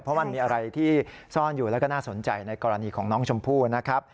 เพราะมันมีอะไรที่ซ่อนอยู่แล้วก็น่าสนใจในกรณีของน้องชมพู่นะครับ